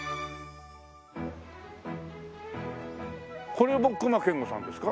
これも隈研吾さんですか？